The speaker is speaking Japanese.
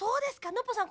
ノッポさん